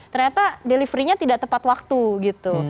ternyata deliverynya tidak tepat waktu gitu